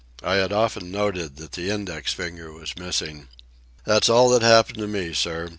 I had often noted that the index finger was missing. "That's all that happened to me, sir.